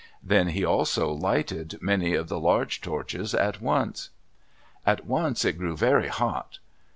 Then he also lighted many of the large torches at once. At once it grew very hot.